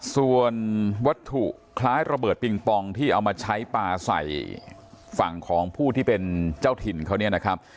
ส่วนวัตถุคล้ายระเบิดปิงปองที่เอามาใช้ปลาใส่ฝั่งของผู้ที่เป็นเจ้าถิ่นเขาเนี่ยนะครับ